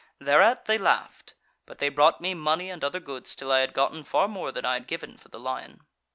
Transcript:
Thereat they laughed: but they brought me money and other goods, till I had gotten far more than I had given for the lion.